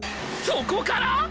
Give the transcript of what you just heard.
そこから！？